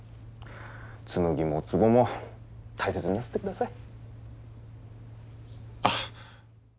紬も壺も大切になさってください。